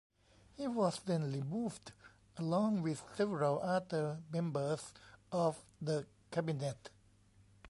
He was then removed along with several other members of the Cabinet.